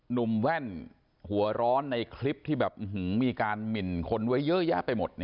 แว่นหัวร้อนในคลิปที่แบบมีการหมินคนไว้เยอะแยะไปหมด